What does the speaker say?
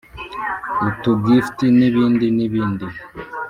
utu gifts n’ibindi n’ibindi.